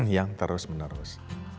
yang terus menerus